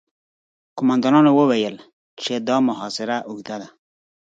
قوماندانانو وويل چې دا محاصره اوږده ده.